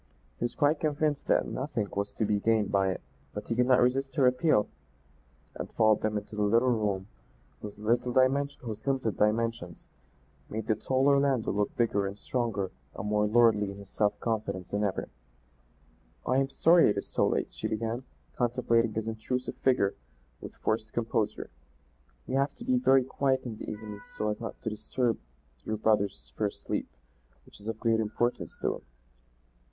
He was quite convinced that nothing was to be gained by it, but he could not resist her appeal, and followed them into the little room whose limited dimensions made the tall Orlando look bigger and stronger and more lordly in his self confidence than ever. "I am sorry it is so late," she began, contemplating his intrusive figure with forced composure. "We have to be very quiet in the evenings so as not to disturb your brother's first sleep which is of great importance to him."